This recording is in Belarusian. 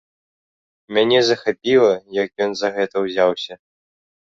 Мяне захапіла, як ён за гэта ўзяўся.